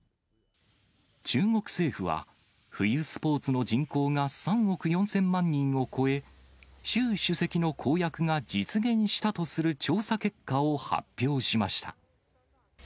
中国政府は、冬スポーツの人口が３億４０００万人を超え、習主席の公約が実現したとする調査結果を発表しました。